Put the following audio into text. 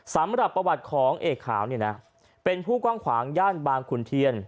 สำหรับประวัติของเอกขาวเนี่ยนะเป็นผู้กว้างขวางย่านบางขุนเทียน